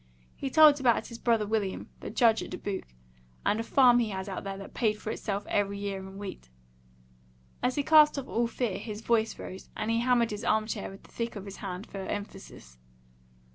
He told about his brother William, the judge at Dubuque; and a farm he had out there that paid for itself every year in wheat. As he cast off all fear, his voice rose, and he hammered his arm chair with the thick of his hand for emphasis.